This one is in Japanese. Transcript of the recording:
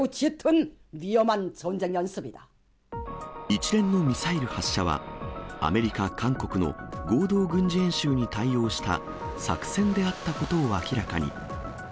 一連のミサイル発射は、アメリカ、韓国の合同軍事演習に対応した作戦であったことを明らかに。